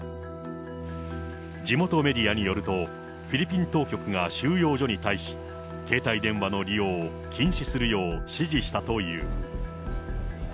地元メディアによると、フィリピン当局が収容所に対し、携帯電話の利用を禁止するよう指示したという。